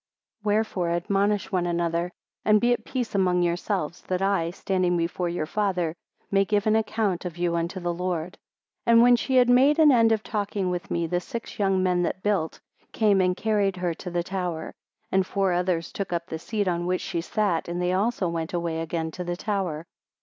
Wherefore admonish one another, and be at peace among yourselves, that I, standing before your Father, may give an account of you unto the Lord. 105 And when she had made an end of talking with me, the six young men that built, came and carried her to the tower; and four others took up the seat on which she sat, and they also went away again to the tower.